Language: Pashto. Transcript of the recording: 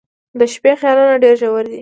• د شپې خیالونه ډېر ژور وي.